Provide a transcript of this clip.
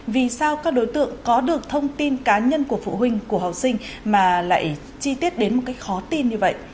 vì sao các đối tượng có được thông tin cá nhân của phụ huynh của học sinh mà lại chi tiết đến một cách khó tin như vậy